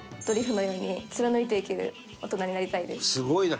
すごいな！